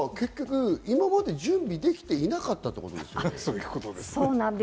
今まで準備できていなかったそうなんですね。